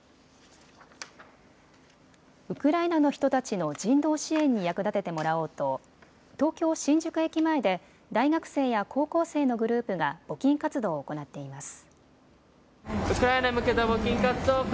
ウクライナの人たちの人道支援に役立ててもらおうと東京、新宿駅前で大学生や高校生のグループが募金活動を行っています。